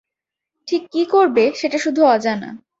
ঠিক কী করবে সেটা শুধু অজানা।